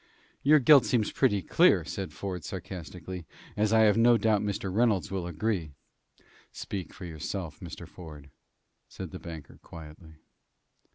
"Your guilt seems pretty clear," said Ford, sarcastically; "as I have no doubt Mr. Reynolds will agree." "Speak for yourself, Mr. Ford," said the banker, quietly.